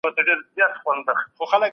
زده کوونکو د فراغت لپاره پایلیکونه ولیکل.